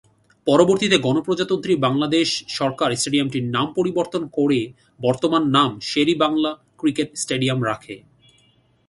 পরবর্তীতে গণপ্রজাতন্ত্রী বাংলাদেশ সরকার স্টেডিয়ামটির নাম পরিবর্তন করে বর্তমান নাম শের-ই-বাংলা ক্রিকেট স্টেডিয়াম রাখে।